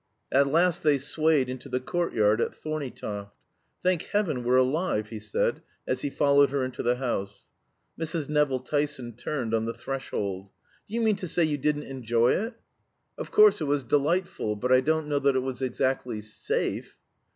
At last they swayed into the courtyard at Thorneytoft. "Thank heaven we're alive!" he said, as he followed her into the house. Mrs. Nevill Tyson turned on the threshold. "Do you mean to say you didn't enjoy it!" "Oh, of course it was delightful; but I don't know that it was exactly safe."